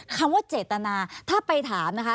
คำว่าเจตนาถ้าไปถามนะคะ